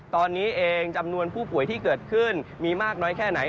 ตอนนี้เองจำนวนผู้ป่วยที่เกิดขึ้นมีมากน้อยแค่ไหน